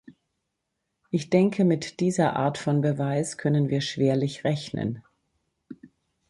Ich denke, mit dieser Art von Beweis können wir schwerlich rechnen.